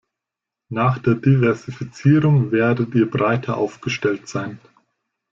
Nach der Diversifizierung werdet ihr breiter aufgestellt sein.